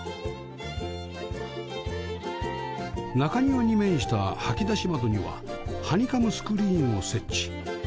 中庭に面した掃き出し窓にはハニカムスクリーンを設置